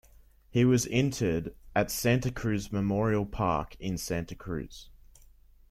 He was interred at Santa Cruz Memorial Park in Santa Cruz.